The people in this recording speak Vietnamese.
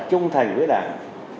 trung thành với đảng